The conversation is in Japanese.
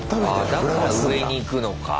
ああだから上に行くのか。